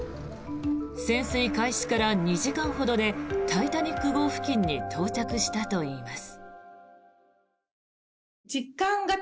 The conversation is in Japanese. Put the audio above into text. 潜水開始から２時間ほどで「タイタニック号」付近に到着したといいます。